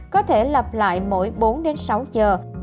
có thể lập lại mỗi bốn sáu giờ